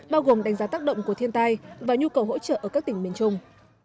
bao gồm đánh giá tác động của thiên tai và nhu cầu hỗ trợ ở các tỉnh miền trung